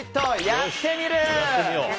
「やってみる。」。